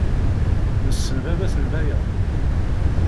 Nessen baba-s n Baya.